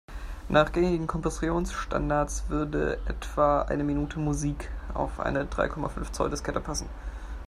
Nach gängigen Kompressionsstandards würde etwa eine Minute Musik auf eine drei Komma fünf Zoll-Diskette passen.